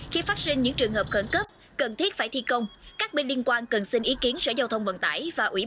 khi phát sinh những trường hợp khẩn cấp cần thiết phải thi công các bên liên quan cần xin ý kiến sở giao thông vận tải